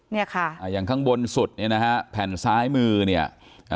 เนี่ยค่ะอ่าอย่างข้างบนสุดเนี่ยนะฮะแผ่นซ้ายมือเนี่ย